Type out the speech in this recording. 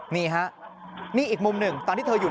เนี่ยของร้านเนี่ย